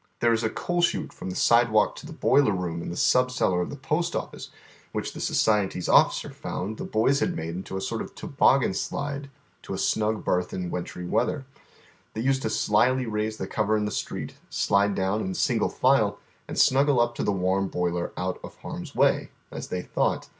There is a coal chute from the sidewalk to t!ie boiler room in tlie sub cellar of the Post Office which the Society's officer found the boys had made into a sort of toboggan slide to a snug bertli in wintiy weatlier. They used to slyly raise the cover in the street, slide down in single file, and snuggle up to the warm boiler ont of harm's way, as they thought.